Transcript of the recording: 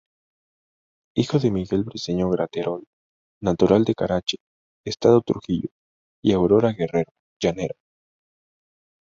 Hijo de Miguel Briceño Graterol, natural de Carache, estado Trujillo; y Aurora Guerrero, llanera.